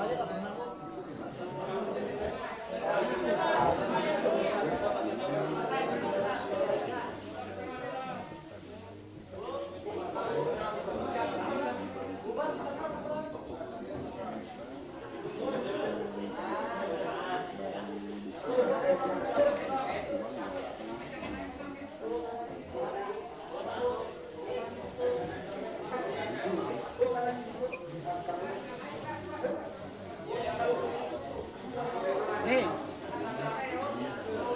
yang dolar angkat bu